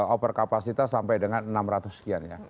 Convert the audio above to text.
over kapasitas sampai dengan enam ratus sekian ya